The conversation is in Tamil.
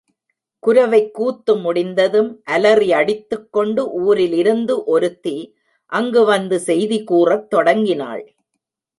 குரவைக்கூத்து முடிந்ததும் அலறிஅடித்துக் கொண்டு ஊரில் இருந்து ஒருத்தி அங்கு வந்து செய்தி கூறத் தொடங்கினாள்.